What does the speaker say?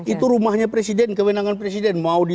itu rumahnya presiden kewenangan presiden